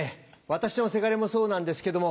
私のせがれもそうなんですけども。